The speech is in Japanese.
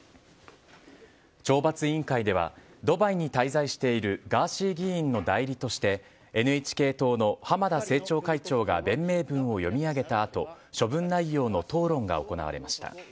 懲罰委員会では、ドバイに滞在しているガーシー議員の代理として、ＮＨＫ党の浜田政調会長が弁明文を読み上げたあと、処分内容の討論が行われました。